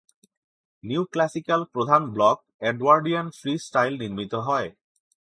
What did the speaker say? Neoclassical প্রধান block Edwardian free style নির্মিত হয়।